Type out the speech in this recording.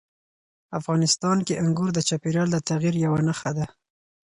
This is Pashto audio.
افغانستان کې انګور د چاپېریال د تغیر یوه نښه ده.